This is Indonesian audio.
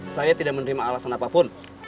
saya tidak menerima alasan apapun